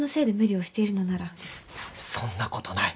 そんなことない！